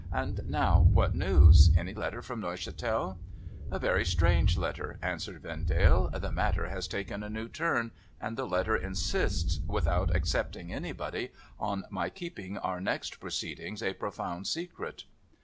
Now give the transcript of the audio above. And now, what news ? Any letter from Neuchatel ?' A very strange letter,' answered Vendale. ' The matter has taken a new turn, and the letter insists— without excepting anybody ■— on my keeping our next proceedings a profound secret.'